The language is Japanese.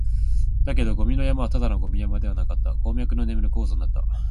だけど、ゴミの山はただのゴミ山ではなかった、鉱脈の眠る鉱山だった